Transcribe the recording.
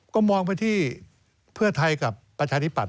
ก็มองไปที่เทพเทศกับประชานิปัติ